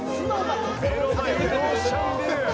目の前、オーシャンビュー。